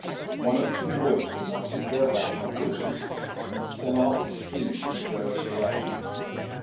One or two boys were mounted, bareback, on horses, and sent off at speed in various directions.